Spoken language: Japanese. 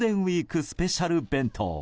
スペシャル弁当。